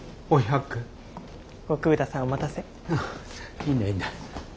いいんだいいんだ。